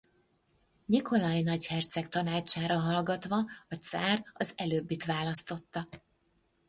Nyikolaj nagyherceg tanácsára hallgatva a cár az előbbit választotta.